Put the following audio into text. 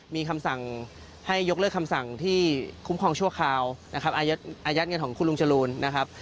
มีคำสั่งให้ยกเลิกคำสั่งที่คุ้มครองชั่วคราวนะครับอายัดเงินของคุณลุงจรูนนะครับ